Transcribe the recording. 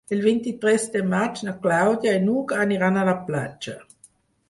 El vint-i-tres de maig na Clàudia i n'Hug aniran a la platja.